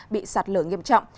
bị sạt lở nghiêm trọng